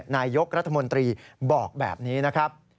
นายกรัฐมนตรีบอกแบบนี้นะครับ